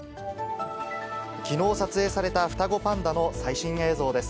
きのう撮影された双子パンダの最新映像です。